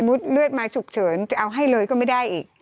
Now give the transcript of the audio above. เลือดมาฉุกเฉินจะเอาให้เลยก็ไม่ได้อีก